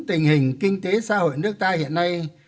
tình hình kinh tế xã hội nước ta hiện nay